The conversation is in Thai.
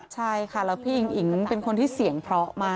ใช่ค่ะแล้วพี่อิงอิ๋งเป็นคนที่เสียงเพราะมาก